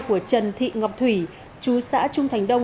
của trần thị ngọc thủy chú xã trung thành đông